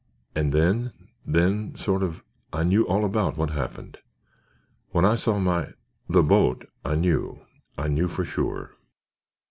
"And then—then, sort of, I knew all about what happened. When I saw my—the—boat, I knew. I knew for sure."